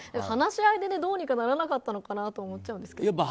話し合いでどうにかならなかったのかなと思うんですけどね。